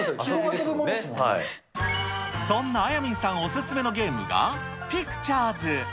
そんなあやみんさんお勧めのゲームが、ピクチャーズ。